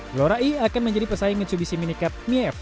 glora e akan menjadi pesaing mitsubishi mini cab nief